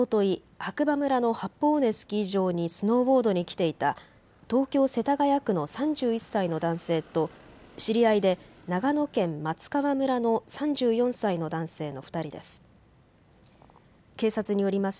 白馬村の八方尾根スキー場にスノーボードに来ていた東京世田谷区の３１歳の男性と知り合いで長野県松川村の３４歳の男性の２人です。